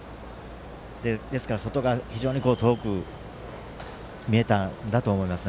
ですから外側非常に遠く見えたんだと思います。